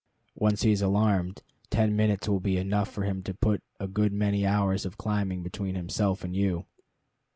Once he is alarmed, ten minutes will be enough for him to put a good many hours of climbing between himself and you.